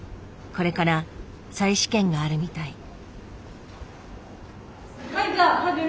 これから再試験があるみたい。